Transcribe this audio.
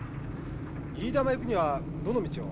飯田山へ行くにはどの道を？